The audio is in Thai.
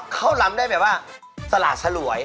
เขาล้ำได้แบบว่าสละสลวย